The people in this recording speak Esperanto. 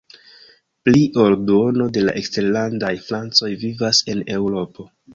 Pli ol duono de la eksterlandaj francoj vivas en Eŭropo.